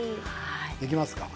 できますか？